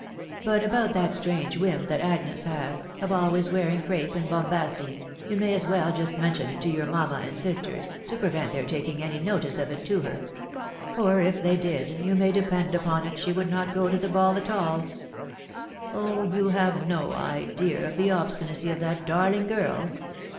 But about that atrange whim that Agnes has, <of always wearing crape and bombasin, you may as well jaat mention it to your mamma and sistem, to prevent their taking asyjnofioe of it to her; for if they did, you may depend upon it <ehe would not go to the ball at all ... Oh 1 you have no idea of the obstinacy of that darling girl